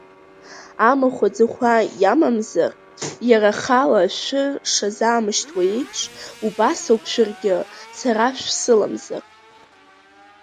Амахә аӡахәа иамамзар, иара ахала ашәыр шазаамышьҭуа еиԥш, убас ауп шәаргьы Сара шәсыламзар.